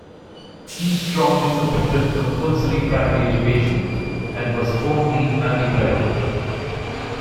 He strongly supported compulsory primary education, and was firmly anti-clerical.